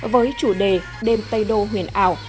với chủ đề đêm tây đô huyền ảo